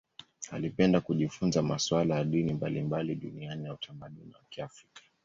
Alipenda kujifunza masuala ya dini mbalimbali duniani na utamaduni wa Kiafrika.